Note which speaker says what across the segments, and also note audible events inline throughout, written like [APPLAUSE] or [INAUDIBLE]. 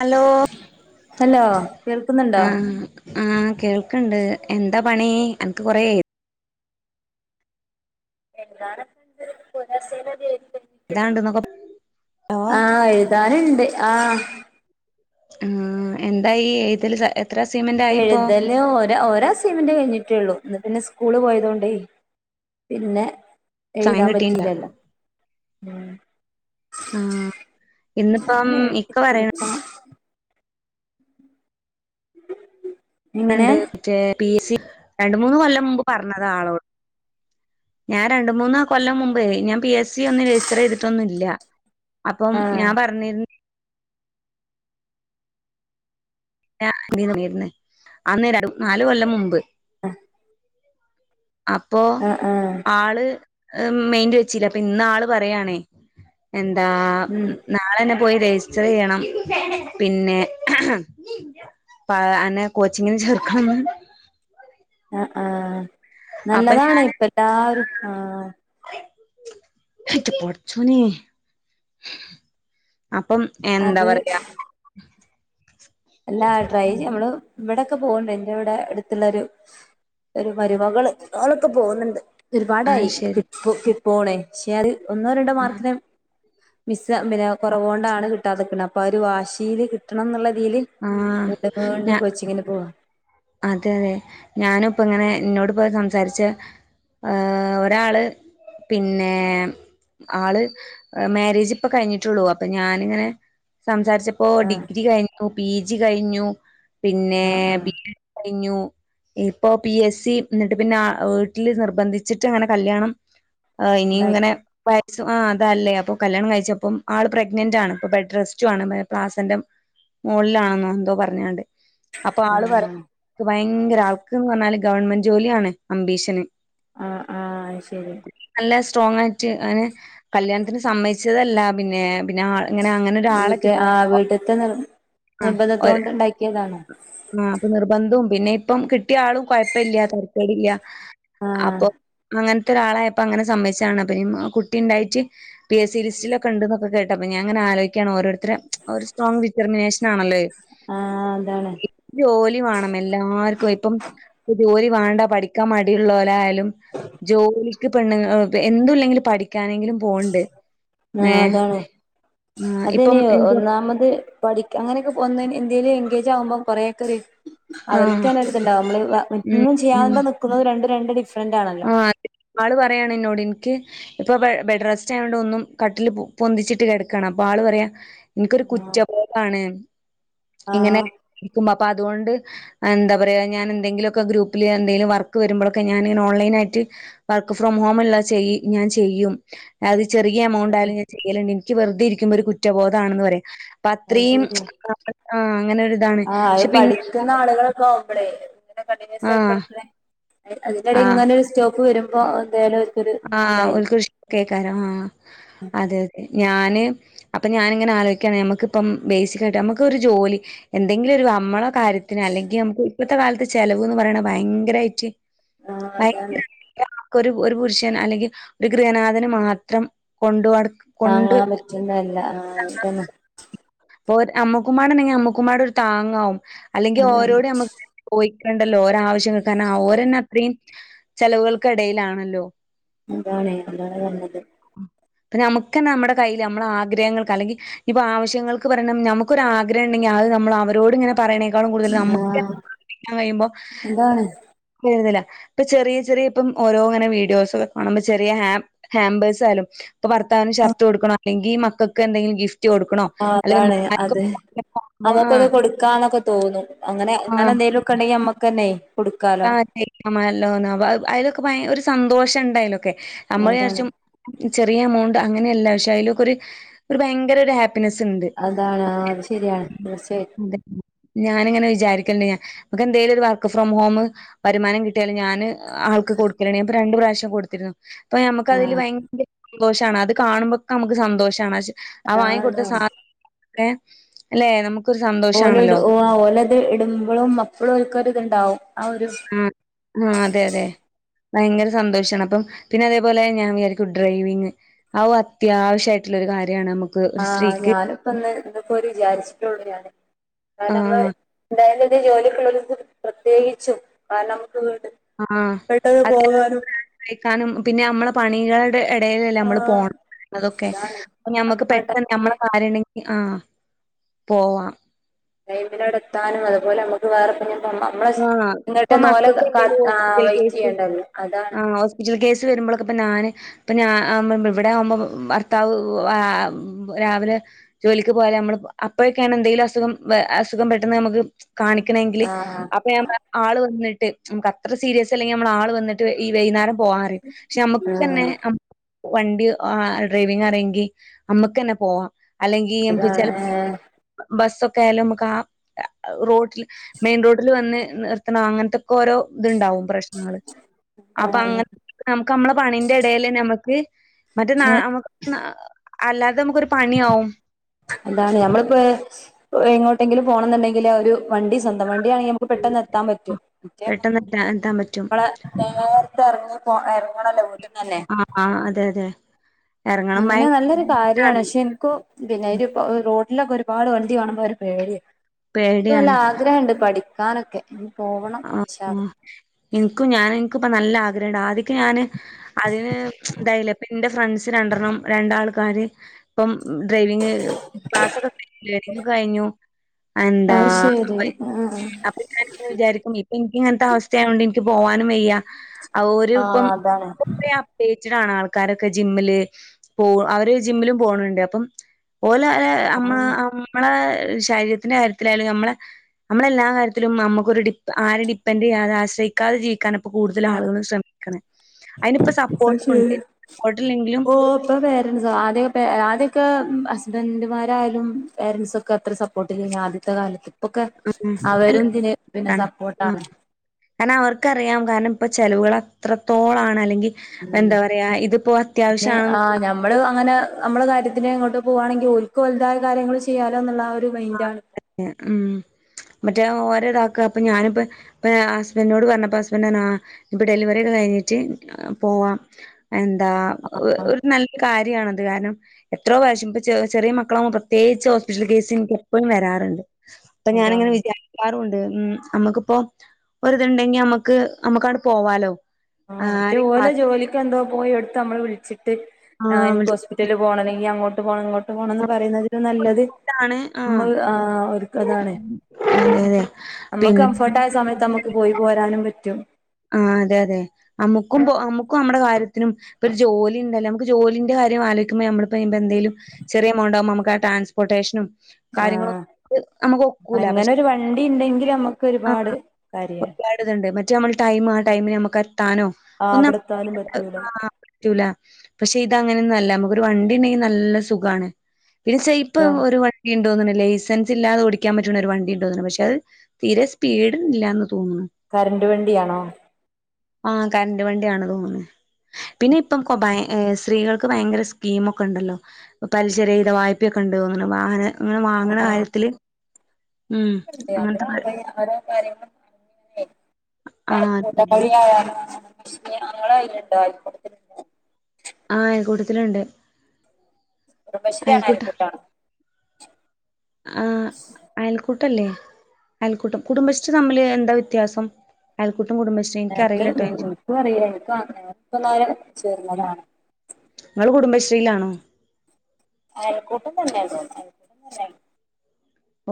Speaker 1: Hello
Speaker 2: hello കേൾക്കുന്നുണ്ടോ
Speaker 1: ആഹ് ആഹ് കേൾക്ക്ണ്ട് എന്താ പണി അനക്ക് കൊറേ എ
Speaker 2: എഴുതാനൊക്കെണ്ട് അസൈമെന്റ് എഴുതി കഴിഞ്ഞിട്ടുണ്ട്
Speaker 1: എഴുതാണ്ട്ന്നൊക്കെ ഹലോ
Speaker 2: ആഹ് എഴു എഴുതാനുണ്ട് ആഹ്
Speaker 1: ആ എന്തായി ഈ എഴുതല് ത എ എത്ര അസൈമെന്റാ
Speaker 2: എഴുതല് ഒര് ഒര അസ് സയ്മെന്റ് കഴിഞ്ഞിട്ടേള്ളൂ ഇന്ന് പിന്നെ സ്കൂള് പോയത് കൊണ്ടേ പിന്നെ
Speaker 1: സമയം
Speaker 2: എഴുതാൻ
Speaker 1: കിട്ടീണ്ടാ
Speaker 2: പറ്റില്ലല്ലോ
Speaker 1: ആഹ് ഇന്നിപ്പം
Speaker 2: എഴുതി
Speaker 1: ഇക്കെ പറയ്ണ
Speaker 2: തീർക്കണം എങ്ങനെ
Speaker 1: ണ്ട് മറ്റേ പി എ സി രണ്ട് മൂന്ന് കൊല്ലം മുമ്പ് പറഞ്ഞതാ ആളോട് ഞാൻ രണ്ട് മൂന്ന് കൊല്ലം മുമ്പേ ഞാൻ പി എസ് സി ഒന്നും രജിസ്റ്റർ ചെയ്തിട്ടൊന്നുല്ല അപ്പം
Speaker 2: ആഹ്
Speaker 1: ഞാൻ പറഞ്ഞി [UNINTELLIGIBLE] നാല് കൊല്ലം മുമ്പ്
Speaker 2: ആഹ്
Speaker 1: അപ്പോ
Speaker 2: ആഹ്
Speaker 1: ആള് മെയിന്റ് വെച്ചില്ല അപ്പൊ ഇന്ന് ആള് പറയണേ എന്താ
Speaker 2: ഉം
Speaker 1: നാളെന്നെ പോയി രജിസ്റ്റർ ചെയ്യണം പിന്നെ പ അന്നെ കോച്ചിങ്ങ്ന് ചേർക്കണം
Speaker 2: ആഹ് ആഹ്
Speaker 1: അപ്പൊ
Speaker 2: നല്ലതാണ് ഇപ്പം എല്ലാരും ആഹ്
Speaker 1: അയിൻ്റെ പടച്ചോനെ അപ്പം എന്താ
Speaker 2: അത്
Speaker 1: പറയാ
Speaker 2: എല്ലാ ട്രൈ ചെയ്യാ നമ്മള് ഇവിടൊക്കെ പോവ്ണ്ട് ഇന്റെ ഇവിടെ എടുത്തുള്ള ഒരു മരുമകള് ഓളൊക്കെ പോകുന്നുണ്ട്
Speaker 1: ആഹ്
Speaker 2: ഒരുപാടായി കി
Speaker 1: ശരി
Speaker 2: കിട്ട് പോണേ പക്ഷേ അത് ഒന്നോ രണ്ടോ
Speaker 1: ആഹ്
Speaker 2: മാർക്കിന് മിസ്സാ പിന്നെ കുറവ് കൊണ്ടാണ് കിട്ടാതെക്ക്ന്ന അപ്പോ ആ ഒരു വാശിയില് കിട്ടണം എന്നുള്ള ഇതീല് വിണ്ടും വിണ്ടും
Speaker 1: ആഹ്
Speaker 2: കൊച്ചിങ്ങിന് പോവാ
Speaker 1: അതെ അതെ ഞാനുപ്പം ഇങ്ങനെ ഇന്നോട് ഇപ്പോ സംസാരിച്ച ഏഹ് ഒരാള് പിന്നെ ആള് മാരേജ് ഇപ്പം കഴിഞ്ഞിട്ടുള്ളൂ അപ്പൊ ഞാനിങ്ങനെ സംസാരിച്ച ഇപ്പോ
Speaker 2: ആഹ്
Speaker 1: ഡിഗ്രി കഴിഞ്ഞു പി ജി കഴിഞ്ഞു പിന്നെ
Speaker 2: ആഹ് ആഹ്
Speaker 1: ബി എഡ് കഴിഞ്ഞു ഇപ്പൊ പി എസ് സി എന്നിട്ട് പിന്നെ വീട്ടിൽ നിർബന്ധിച്ചിട്ട് അങ്ങനെ കല്യാണം ആഹ് ഇനി
Speaker 2: ഉണ്ടായി
Speaker 1: ഇങ്ങനെ [UNINTELLIGIBLE] ആഹ് അതല്ല ആഹ് കല്യാണം കഴിച്ചപ്പം ആള് പ്രഗ്നന്റ് ആണ് ഇപ്പൊ ബെഡ് റെസ്റ്റുമാണ് പ്ലാസാൻ്റം മോളിലാണെന്നോ എന്തോ പറഞ്ഞോണ്ട് അപ്പൊ ആള് പറ
Speaker 2: ആഹ്
Speaker 1: ഭയങ്കര ആൾക്കന്ന് പറഞ്ഞാല് ഗവൺമെന്റ് ജോലിയാണ് അംബീഷന്
Speaker 2: ആഹ് ആഹ് അത്ശരി.
Speaker 1: നല്ല സ്ട്രോങ് ആയിട്ട് അങ്ങനെ കല്യാണത്തിന് സമ്മേയി സമ്മതിച്ചില്ല പിന്നെ പിന്നെ ഇങ്ങനെ അങ്ങനെ ഒരാളെകി
Speaker 2: ആഹ് വീട്ടത്തെ നി
Speaker 1: ഒര്
Speaker 2: നിർബന്ധത്തോണ്ട് ഉണ്ടാക്കിയതാണ്.
Speaker 1: ആഹ് അപ്പൊ നിർബന്ധവും പിന്നെ ഇപ്പം കിട്ടിയ ആളും കൊയപ്പില്ലത്തോണ്ട് തരക്കേടില്ല്യാ
Speaker 2: ആഹ്
Speaker 1: അപ്പൊ അങ്ങനെ ത്തൊരാളായപ്പോ അങ്ങനെ സമ്മതിച്ചാണ് പിന്നെ കുട്ടിഉണ്ടായിട്ട് പി എസ് സി ലിസ്റ്റിലൊക്കെ ഉണ്ടെന്നൊക്കെ കേട്ട് അപ്പൊ ഞാൻ ഇങ്ങനെ ആലോചിക്കയ ഓരോരുതരെ ഒരു സ്ട്രോങ് ഡിറ്റർമിനേഷൻ ആണല്ലോ ത്.
Speaker 2: ആഹ് അതാണ്.
Speaker 1: ജോലി വേണം എല്ലാർക്കും ഇപ്പം ജോലി വേണ്ട പഠിക്കാൻ മടിയുലോലയാലും ജോലിക്ക് പെണ്ണുങ്ങൾ എന്തുയില്ലെങ്കിലും പഠിക്കാനെങ്കിലും പോണ്ട്
Speaker 2: ആഹ്
Speaker 1: ഏഹ്
Speaker 2: അതാണ്
Speaker 1: ആഹ് ഇപ്പം
Speaker 2: അതനെയോ ഒന്നാമത് പഠിക്ക അങ്ങനെയൊക്കെ പോന്ന എന്തേലും എൻഗേജ് ആകുമ്പോ കൊറൊയൊക്കെ വീ അവർക്ക്
Speaker 1: ആഹ്
Speaker 2: തന്നെ ഒരിത്തിണ്ടാവും നമ്മള്
Speaker 1: ഉം ഉം
Speaker 2: ഒന്നുംചെയ്യാതെ നിൽക്കുന്നതും രണ്ടും രണ്ട് ഡിഫറന്റ് ആണല്ലോ-
Speaker 1: ആഹ് ആള് പറയാണ് എന്നോട് എനിക്ക്- ഇപ്പൊ ബെഡ് റസ്റ്റ് ആയതോണ്ട് ഒന്നും കട്ടിൽ പൊന്തിച്ചിട്ട് കിടക്കണം അപ്പൊ ആള് പറയാ എനിക്കൊരു കുറ്റബോധണ് ഇങ്ങനെ
Speaker 2: ആഹ്
Speaker 1: ഇക്കുമ്പോ അപ്പൊ അതുകൊണ്ട് എന്താ പറയാ ഞാൻ എന്തെലൊക്കെ ഗ്രൂപ്പിൽ എന്തെങ്കിലും വർക്ക് വരുമ്പോഴൊക്കെ ഞാനിങ്ങനെ ഓൺലൈനായിട്ട് വർക്ക് ഫ്രം ഹോം എല്ലാം ചെയ്യ് ഞാൻ ചെയ്യും അത് ചെറിയ എമൗണ്ട്
Speaker 2: അങ്ങനെ
Speaker 1: ആയാലും ഞാൻ ചെയ്യലുണ്ട് എനിക്ക് വെറുതെ ഇരിക്കുമ്പൊ ഒരു കുറ്റബോധമാണെന്ന് പറയും.
Speaker 2: അത്
Speaker 1: പ്പഅത്രയും
Speaker 2: ശരിയാ
Speaker 1: അ
Speaker 2: ആഹ് അത് പഠിച്ചിക്കുന്ന ആളുകളൊക്കെ ആവുമ്പളേ കണ്ടിന്യൂസായി
Speaker 1: ആഹ്
Speaker 2: പഠിക്കണേ അതിനിടയിൽ
Speaker 1: ആഹ്
Speaker 2: ഇങ്ങനെ ഒരു സ്റ്റോപ്പ് വരുമ്പോ എന്തായാലും. അവർക്കൊരു
Speaker 1: ആഹ്
Speaker 2: ഇതായി
Speaker 1: ഒരുക്ക് ഇഷ്കേക്കാനോ ആഹ് അതെ അതെ ഞാന് അപ്പൊ ഞാനിങ്ങനെ ആലോചിക്കയണേ നമ്മക്കിപ്പം ബേസിക്കായിട്ട് നമുക്കൊരു ഒരു ജോലി എന്തെങ്കിലും ഒരു അമ്മള കാര്യത്തിന് അല്ലെങ്കിൽ നമുക്ക് ഇപ്പഴത്തെ കാലത്ത് ചെലവന്ന് പറയണ ഭയങ്കരായിട്ട്
Speaker 2: ആഹ് അതാണ്
Speaker 1: ഭയങ്കര [UNINTELLIGIBLE] ഒരു പുരുഷ് അല്ലെങ്കിൽ ഒരു ഗൃഹനാഥന് മാത്രം കൊണ്ടു ട
Speaker 2: താങ്ങാൻ പറ്റുന്നല്ല ആഹ്തന്നേ.
Speaker 1: ഇപ്പൊ അമ്മക്കുമാട് ഉണ്ടെങ്കിൽ അമ്മക്കുമാട് ഒരു താങ്ങാവും അല്ലെങ്കിൽ ഓരോട് ഞമ്മക്ക് ചോയിക്കണ്ടല്ലോ ഓരാവശ്യങ്ങൾ കാരണം അവഓരന്നെ അത്രയും ചെലവുകൾക്കിടയിലാണല്ലോ
Speaker 2: അതാണേ അതാണ് പറഞ്ത്-
Speaker 1: ആഹ് ഞമ്മക്ക് തന്നെ നമ്മുടെ കയ്യിൽ നമ്മള ആഗ്രഹങ്ങൾക്ക് അല്ലെങ്കിൽ ഇപ്പൊ ആവശ്യങ്ങൾ ക്ക് പറയണം നമ്മക്കൊരു ആഗ്രം ഉണ്ടെങ്കിൽ അത് നമ്മൾ അവരോട് ഇങ്ങനെ പറയതിനേക്കാളും കൂടുതൽ
Speaker 2: ആഹ്
Speaker 1: നമുക്ക്തന്നെ കഴിയുമ്പോ
Speaker 2: അതാണ്
Speaker 1: [UNINTELLIGIBLE] ഇപ്പൊ ചെറിയ ചെറിയ ഇപ്പം ഓരോ ഇങ്ങനെ വീഡിയോസോക്കെ കാണുമ്പോ ചെറിയ ഹാമ്പേഴ്സാഹയാലും ഇപ്പോ ഭർത്താവിന് ഷർട്ട് കൊടുക്കണൊ അല്ലെങ്കിൽ മക്കക്ക് എന്തെങ്കിലും ഗിഫ്റ്റ് കൊടുക്കണോ?
Speaker 2: ആഹ്
Speaker 1: അല്ലെ
Speaker 2: അതാണ് അതെ
Speaker 1: ഉമ്മമാർക്കുമ്പോ
Speaker 2: നമുക്കത്
Speaker 1: ആഹ്
Speaker 2: കൊടുക്കാന്നൊക്കെ തോന്നും അങ്ങനെ അങ്ങനെ
Speaker 1: ആഹ്
Speaker 2: എന്തേലുംൾ. [UNINTELLIGIBLE] നമ്മക്കന്നെ കൊടുക്കാലോ
Speaker 1: ആഹ് ചെയക്കാല്ലോ അതിലൊക്കെ ഭയ ഒരു സന്തോഷം ഇണ്ട അതിലൊക്കെ നമ്മൾ
Speaker 2: അതാണ്
Speaker 1: വിചാരിച്ചും ചെറിയ എമൗണ്ട് അങ്ങനെയല്ല പക്ഷെ അയിലൊക്ക ഒരു ഭയങ്കര ഒരു ഹാപ്പി- പ്പിനസ് ഇണ്ട്
Speaker 2: അതാണ് ആഹ് അത് ശരിയാണ് തീർച്ചയായിട്ടും
Speaker 1: [UNINTELLIGIBLE] ഞാനിങ്ങനെ വിചാരിക്കൽണ്ട് ഞമ്ക്ക് എന്തേലും ഒരു വർക്ക് ഫ്രം ഹോമ് വരുമാനം കിട്ടിയാല് ഞാ ന് ആൾക്ക് കൊടുക്കലേണി ഞാനിപ്പ രണ്ടു പ്രാവശ്യം കൊടുത്തിരുന്നു അപ്പൊ നമ്മക്കതില്
Speaker 2: ആഹ്
Speaker 1: ഭയ സന്തോഷാണ് അത് കാണുമ്പൊക്ക നമുക്ക് സന്തോഷാണ് അശ് ആ
Speaker 2: ആഹ്
Speaker 1: വാങ്ങി കൊടുത്ത സാ
Speaker 2: അതാണ്
Speaker 1: ഏഹ് അല്ലെ നമുക്ക്
Speaker 2: ഓല ഇടു ഓഹ് ആഹ് ഓലത് ഇടുമ്പളും മപ്പളോൽക്കൊരു ഇതിണ്ടാവും ആ ഒരു
Speaker 1: ഉം ആഹ് അതെ അതെ ഭയങ്കര സന്തോഷാണ് അപ്പം പിന്നെ അതേപോലെ ഞാൻ വിചാരിക്കും ഡ്രൈവിങ് അവും അത്യാവശ്യായിട്ടുള്ളൊരു കാര്യാണ് നമു
Speaker 2: ആഹ് ഞാനിപ്പിന്ന് ഇതക്കൊരു വിചാരിച്ചിട്ടുള്ളതാണ് ക നമ്മള്
Speaker 1: ആഹ്
Speaker 2: എന്തായാലും ഒരു ജോലിക്കുള്ളൊരു പ്രത്യേകിച്ചും കാരണം നമുക്ക് വീണ്ടും
Speaker 1: ഉം അതെ കഴിക്കാനും പിന്നെ നമ്മളെ പണികൾ ന്റെ എടേലല്ലേ നമ്മള്
Speaker 2: ആഹ് അതാണ്
Speaker 1: [UNINTELLIGIBLE] അപ്പം ഞമ്മക്ക്
Speaker 2: നമ്മക്ക് ആ
Speaker 1: പെട്ടെന്ന് ഞമ്മള
Speaker 2: ടൈമില്
Speaker 1: കാര്യെണ്ണ ആഹ് പോവാം
Speaker 2: ടൈമിന് നടത്താനും അതുപോലെ നമുക്ക് വേറത്രയും തന്നാ നമ്മള്
Speaker 1: ആഹ്
Speaker 2: എന്നിട്ട്
Speaker 1: ഇപ്പൊ
Speaker 2: നോല
Speaker 1: മക്കക്ക്
Speaker 2: [UNINTELLIGIBLE]
Speaker 1: എന്തേലും
Speaker 2: ആഹ് വെയ്റ്റ്ചെയ്യണ്ടല്ലോ അതാണ്
Speaker 1: ഇഞ്ചുറി കേസ് വരുമ്പളൊ‌ക്കിപ്പ ഞാന് ഇപ്പൊ ഞാ ആഹ് ഇവിടെ ആവുമ്പോ ഭർത്താവ് ആഹ് രാവിലെ ജോലിക്ക് പോയാല് നമ്മള് അപ്പൊഴൊക്കെയാണ് എന്തെങ്കിലും അസുഖം വെ അസുഖം പെട്ടെന്ന് നമുക്ക് കാണിക്കണേങ്കില്
Speaker 2: ആഹ്
Speaker 1: [UNINTELLIGIBLE] ആള് വന്നിട്ട് നമുക്ക് അത്ര സീരിയസ് അല്ലെങ്കി നമ്മളാള് വന്നിട്ട് ഈ വൈന്നേരം പോവാന്ന് പറയും പക്ഷെ നമുക്ക് തന്നെ
Speaker 2: ആഹ്
Speaker 1: വണ്ടി അഹ് ഡ്രൈവിങ് അറിയെങ്കി നമ്മക്ക് തന്നെ പോവാം അല്ലെങ്കി ചില
Speaker 2: അതാണ്
Speaker 1: ബസ്സൊക്കെ ആയാലും നമുക്ക് ആ റോ ഡില് മെയിൻ റോട്ടില് വന്ന് നിർത്തണം അങ്ങനത്തൊക്കെ ഓരോ ഇതിണ്ടാവും പ്രശ്നങ്ങള് അപ്പൊ അങ്ങനെ നമുക്ക് നമ്മള പണീന്റെ എടേലെന്നെ നമക്ക് മറ്റേ നാ നമ നാ അല്ലാതെ നമുക്കൊരു പണിയാവും
Speaker 2: അതാണ് ഞമ്മളിപ്പോ എങ്ങോട്ടെങ്കിലും പോണംന്നിണ്ടെങ്കില് ഒരു വണ്ടി സ്വന്തം വണ്ടിയാണെങ്കി നമ ക്ക് പെട്ടെന്ന് എത്താൻ പറ്റും
Speaker 1: പെട്ടെന്ന് എത്താ എത്താൻ പറ്റും.
Speaker 2: [INAUDIBLE] നമ്മളെ നേരത്തെ ഇറങ്ങിപ്പോ ഇറങ്ങണല്ലോ വീട്ടീന്നന്നെ
Speaker 1: ആഹ് ആഹ് അതെ അതെ എറങ്ങണം
Speaker 2: അങ്ങനെ
Speaker 1: ഭയങ്കര
Speaker 2: നല്ലൊരു കാര്യാണ്
Speaker 1: ട്ടാണ്
Speaker 2: പക്ഷെ കൊ പിന്നെ ഒരു റോഡിലൊക്കെ ഒരുപാട് വണ്ടി കാണുമ്പോ ഒരു പേടിയ ഇൻക്ക് നല്ല
Speaker 1: പേടിയാണ്.
Speaker 2: ആഗ്രഹെണ്ട് പഠിക്കാനൊക്കെ പോവണം
Speaker 1: ആഹ്
Speaker 2: ഇൻഷാ അള്ളാ
Speaker 1: ഉം എനിക്കും ഞാൻ എനിക്ക് ഇപ്പ നല്ല ആഗ്രഹെണ്ട് ആദ്യക്ക് ഞാന് അതിന് ഇതായില്ല ഇപ്പ എന്റെ ഫ്രണ്ട്സ് രണ്ടെണ്ണം രണ്ടാൾക്കാര് ഇപ്പം ഡ്രൈവിങ് ക്ലാസ് ഒക്കെ കഴിഞ്ഞു ലെയ്ണിംഗ് കഴിഞ്ഞു എന്താ
Speaker 2: അത് ശരി ആഹ്
Speaker 1: [UNINTELLIGIBLE] വിചാരിക്കും ഇപ്പൊ എനിക്കിങ്ങനത്തെ അവസ്ഥയായോണ്ട് എനിക്ക് പോവാനും വയ്യ ആഹ് ഒരു
Speaker 2: ആ
Speaker 1: ഇപ്പം
Speaker 2: അതാണ്
Speaker 1: [UNINTELLIGIBLE] ഡേറ്റടാണ് ആൾക്കാരൊക്കെ ജിമ്മില് പോവും അവര് ജിമ്മിലും പോണെണ്ട് അപ്പം ഓലാല് അമ്മ അം നമ്മളാ ശരീരത്തിന്റെ കാര്യത്തിലായാലും ഞമ്മളെ നമ്മളെല്ലാ കാര്യത്തിലും നമ്മുക്കൊരു ഡി ആരേം ഡിപ്പെൻഡ് ചെയ്യാതെ ആശ്രയിക്കാതെ ജീവിക്കാൻ ഇപ്പൊ കൂടുതൽ ആളുകളും ശ്രമിക്കണെ അയിനിപ്പോ സപ്പോർട്ടും ഉണ്ട്
Speaker 2: [UNINTELLIGIBLE]
Speaker 1: സപ്പോർട്ടില്ലെങ്കിലും
Speaker 2: ഓഹ് ഇപ്പൊ പേരൻസാ ആദ്യം ഇപ്പെ ആദ്യക്കേ ഹസ്ബൻഡുമാരായാലും പേരൻസൊക്കെ അത്ര സപ്പോർട്ട് [UNINTELLIGIBLE] ആദ്യത്തെ കാലത്ത് ഒക്കെ
Speaker 1: ഉം അല്ല
Speaker 2: അവരും ഇതിന് പിന്നെ
Speaker 1: ആണ്
Speaker 2: സപ്പോർട്ടാണ്.
Speaker 1: കാരണം അവർക്കറിയാം കാരണം ഇപ്പ ചെലവുകൾ അത്രത്തോളാണ്. അല്ലെങ്കി
Speaker 2: ഉം
Speaker 1: എന്താ പറയാ ഇത്പ്പോ അത്യാവശ്യാണ്.
Speaker 2: നമ്മള് അങ്ങനെ നമ്മള് കാര്യത്തിന് എങ്ങോട്ട് പോവാണെങ്കി ഓൽക്ക് ഓൽതായ കാര്യങ്ങള് ചെയ്യാലോ ഇന്നുള്ള ആ ഒരു മൈയ്ന്റാണ്.
Speaker 1: ഉം മറ്റെ ഓരെതാക്ക അപ്പൊ ഞാനിപ്പം. അപ്പം ഹസ്ബൻറ്റിനോട് പറഞ്ഞപ്പോ ഹസ്ബന്റ് പറ്ഞ്ഞ്. ആ ഇപ്പൊ ഡെലിവറി ഒക്കെ കഴിഞ്ഞിട്ട് പോവാം. എന്താ
Speaker 2: ആ
Speaker 1: ഒരു നൽ കാര്യാണത്. കാരണം എത്രാേ പ്രാവശം ഇപ്പൊ ചെ ചെറിയ മക്കള്ആവുമ്പം പ്രത്യേയിച്ച് ഹോസ്പിറ്റൽ കേസ് ഇനക്ക്. എപ്പഴും വരാറ്ണ്ട്. ഇപ്പ ഞാനിങ്ങനെ
Speaker 2: അതാണ്
Speaker 1: വിചാ കാറൂണ്ട്. ഉം അമ്മുക്ക്പ്പൊ ഒര്ത്ണ്ടെങ്കി നമ്മുക്ക് നമ്മുക്ക് അണ്ട് പോവാലൊ.
Speaker 2: ആ ഒറ്റെ ജോലിക്ക് എന്തോ പോയി എടുത്ത് നമ്മള് വിളിച്ചി
Speaker 1: ആ
Speaker 2: ഇൻക്ക്
Speaker 1: വിളിച്ച്
Speaker 2: ഹോസ്പിറ്റലില് പോണം. അല്ലെങ്കി അങ്ങോട്ട് പോണം ഇങ്ങോട്ട് പോണം എന്ന് പറയുന്നത്. നല്ലത്
Speaker 1: ട്ടാണ് ആഹ്
Speaker 2: നമ്മള് ആ ഒരു
Speaker 1: അതെ
Speaker 2: നമ്മക്ക്
Speaker 1: പിന്നെ
Speaker 2: കംഫർട്ടായ സമയത്ത് നമുക്ക് പോയി പോരാനും പറ്റും.
Speaker 1: ആ അതെ അതെ. അമ്മുക്കും അമ്മുക്കും നമ്മടെ കാര്യത്തിനും. ഇപ്പൊ ജോലി ഇണ്ടല്ലൊ. നമുക്ക് ജോലിന്റെ കാര്യ ആലോയ്ക്കുമ്പ നമ്മൾ ഇപ്പം എന്തേലും. ചെറിയ എമൗണ്ടാവുമ്പം നമുക്ക് ആ ട്രൻസ്പോർട്ടേഷനും. കാര്യങ്ങളൊ
Speaker 2: ആഹ്
Speaker 1: നമ്മുക്ക് ഒക്കൂല
Speaker 2: അങ്ങനെ
Speaker 1: പക്ഷെ
Speaker 2: ഒരു വണ്ടി ഇണ്ടെങ്കിൽ നമ്മക്ക്
Speaker 1: ആ
Speaker 2: ഒരുപാട് കാര്യാ
Speaker 1: മറ്റെ നമ്മൾ ടൈ ആ ടൈമിന് നമുക്ക് എത്താനോ
Speaker 2: ആഹ്
Speaker 1: ഒന്നും
Speaker 2: അവടെത്താനും
Speaker 1: [UNINTELLIGIBLE]
Speaker 2: പറ്റൂല
Speaker 1: ആഹ് പറ്റൂല. പക്ഷെ ഇത അങ്ങനൊന്നും അല്ല. നമ്മുക്കൊരു വണ്ടി ഇണ്ടെങ്കി നല്ല സുഖാണ്. പിന്നെ ഇപ്പൊ ഒരു വണ്ടി ഉണ്ട് തോന്ന്ണ്. ലൈസൻസ് ഇല്ലാതെ ഓടിക്കാൻ പറ്റുന്ന ഒരു വണ്ടിണ്ടോന്ന്ണ്. പക്ഷെ അത് തീരെ സ്പീഡ് ഇല്ലാന്ന തോന്ന്ണ്.
Speaker 2: കറന്റ് വണ്ടിയാണൊ.
Speaker 1: ആ കറണ്ട് വണ്ടിയാണ് തോന്ന്ണ്. പിന്നെ ഇപ്പം ഭയ സ്ത്രീകൾക്ക് ഭയങ്കര കീമൊക്കെ ഇണ്ടല്ലോ. പലിശ രഹിത വായ്പ്യക്കെ ഇണ്ട് തോന്ന്ണ്. വാഹന അങ്ങനെ വാങ്ങ്ണ കാര്യത്തിൽ.
Speaker 2: നമ്മള് ആ ഓരോ കാര്യങ്ങള് അയൽ
Speaker 1: ആഹ്
Speaker 2: കൂട്ട
Speaker 1: അതെ
Speaker 2: [UNINTELLIGIBLE] ആയാലും നമ്മുടെ കയ്യിൽ ഇണ്ടായിരുന്നു ആയിക്കോട്ട
Speaker 1: അയൽ കൂട്ടത്തില്ണ്ട്
Speaker 2: കുടുംബശ്രീയാണ് അയൽക്കുട്ടാണ്‌.
Speaker 1: ആ അയൽക്കൂട്ടംല്ലെ. അയൽക്കൂട്ടം കുടുംബശ്രീ തമ്മില് എന്താ വ്യ വ്യത്യാസം അയൽക്കൂട്ടും കുടുംബശീ
Speaker 2: [UNINTELLIGIBLE] ഇൻക്ക് അറീല. ഇനിക്ക് ഇഷ്ടല്ലാതെ ചേർന്നതാണ്.
Speaker 1: ഇങ്ങള് കുടുംബശ്രീയിലാണൊ.
Speaker 2: അയൽക്കൂട്ടം തന്നേണ് അയൽക്കൂട്ടും തന്നെയ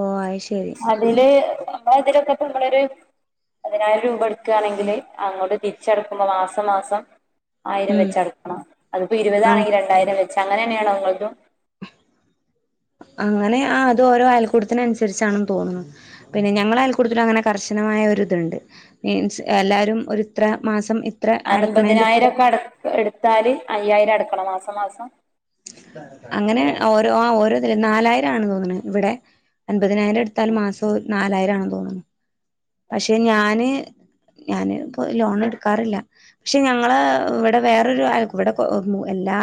Speaker 1: ഓ അത് ശെരി.
Speaker 2: അതില് നമ്മള് അതിലൊക്കെ ഇട്ട്ള്ളൊരു. പതിനായിരം രൂപ ഇട്ക്കാണെങ്കില് അങ്ങോട്ട് തിരിച്ചടുക്കുമ്പം മാസം മാസം. ആയിരം
Speaker 1: ഉം
Speaker 2: വെച്ച് അടക്കണം. അത്പ്പം
Speaker 1: ആഹ്
Speaker 2: ഇരുപതാണെങ്കിൽ രണ്ടായിരം വെച്ച് അങ്ങനെന്നേയാണോ ഇങ്ങൾതും.
Speaker 1: അങ്ങനെ ആ അത് ഓരോ ആയൽക്കൂട്ടത്തിന് അനുസരിച്ചാണ്ന്ന് തോന്നുണ്. പിന്നെ ഞങ്ങളെ അയൽ കൂടുത്തിന് അങ്ങനെ കർശനമായ ഒരിത്ണ്ട്. മീൻസ് എല്ലാരും ഒരിത്ര മാസം ഇ
Speaker 2: അൻപതിനായിരം ഒക്കെ അ എടുത്താല് അയ്യായിരം അടക്കണം മാസം മാസം.
Speaker 1: അങ്ങനെ ഓരോ ആ ഓരോ നാലായിരം ആണ് തോന്ന്ണ് ഇവെടെ. അൻപതിനായിരം ഇടുത്താല് മാസം നാലായിരം ആണ്ന്ന് തോന്ന്ണ്. പക്ഷെ ഞാന് ഞാന് പ്പൊ ലോണ് എട്ക്കാറില്ല. പക്ഷെ ഞങ്ങളെ വടെ വേറൊരു അയൽകൂ വടെ കൊ എല്ലാ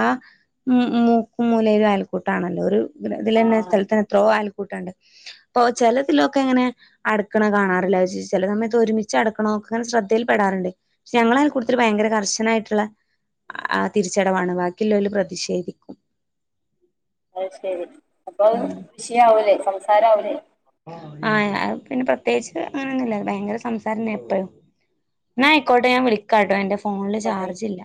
Speaker 1: മു മുക്കും മൂലയിലും അയൽക്കൂട്ടാണല്ലൊ. ഒരു തിലെ തിലെന്നെ
Speaker 2: ആ
Speaker 1: സ്ഥലത്ത്ന് ത്രോ ആൽക്കൂട്ടണ്ട്. പ്പൊ ചെല തിലൊക്കെ ങ്ങനെ അടക്ക്ണ കാണാറില്ല. പക്ഷെ ചെല സമയത്ത് ഒര്മിച്ചടക്ക്ണൊക്കെ ങ്ങനെ ശ്രദ്ധയിൽ പെടാറ്ണ്ട്. പക്ഷെ ഞങ്ങളെ അയൽ കൂട്ടത്തില് ഭയങ്കര കർശനായിട്ട്ള്ളെ ആ തിരിച്ചടവാണ്. ബാക്കിളേളാല് പ്രതിഷേധിക്കും.
Speaker 2: അത് ശരി. അപ്പൊ
Speaker 1: ഉം
Speaker 2: വിഷയവൂലെ. സംസാരംആവൂലെ?
Speaker 1: ആഹ്. അത് പിന്നെ പ്രത്യേകിച്ച് അങ്ങനൊന്നുല്ല. ഭയങ്കര സംസാര ന്നെ എപ്പഴും. ന്നാ അയിക്കോട്ടെ. ഞാൻ വിളിക്കാട്ടൊ. എന്റെ ഫോൺല് ചാർജില്ല.